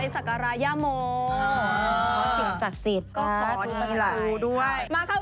สักการายมม